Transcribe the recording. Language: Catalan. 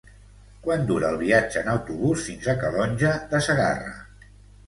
Quant dura el viatge en autobús fins a Calonge de Segarra?